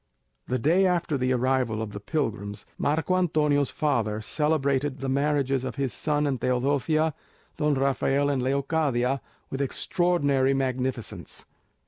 The day after the arrival of the pilgrims, Marco Antonio's father celebrated the marriages of his son and Teodosia, Don Rafael and Leocadia, with extraordinary magnificence.